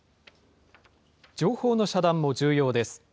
情報の遮断も重要です。